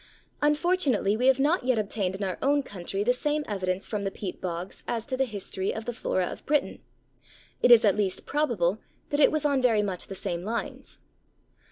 Unfortunately we have not yet obtained in our own country the same evidence from the peat bogs as to the history of the flora of Britain. It is at least probable that it was on very much the same lines.